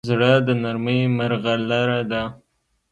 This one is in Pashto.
زړه د نرمۍ مرغلره ده.